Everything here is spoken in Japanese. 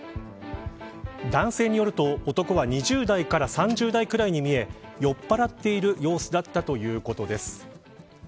男性によると、男は２０代から３０代くらいに見え酔っぱらっている様子だったということです。